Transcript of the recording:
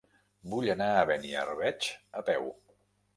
Vull anar a Beniarbeig a peu.